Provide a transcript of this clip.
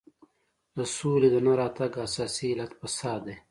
د سولې د نه راتګ اساسي علت فساد دی.